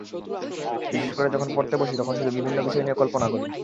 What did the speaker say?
বিশেষ করে যখন পড়তে বসি, তখন শুধু বিভিন্ন বিষয় নিয়ে কল্পনা করি।